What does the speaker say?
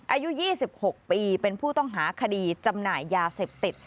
อายุ๒๖ปีเป็นผู้ต้องหาคดีจำหน่ายยาเสพติด